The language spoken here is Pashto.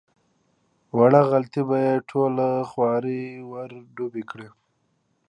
وړه غلطي به یې ټوله خواري ور ډوبه کړي.